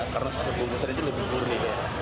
karena sebuah bungkusan itu lebih gurih